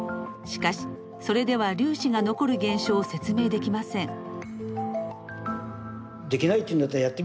しかしそれでは粒子が残る現象を説明できません。